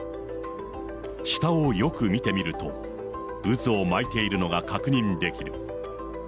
下をよく見てみると、渦を巻いているのが確認できる。